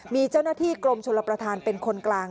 มีเจ้าหน้าที่กรมชลประธานเป็นคนกลาง